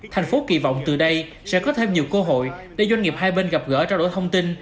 thành phố kỳ vọng từ đây sẽ có thêm nhiều cơ hội để doanh nghiệp hai bên gặp gỡ trao đổi thông tin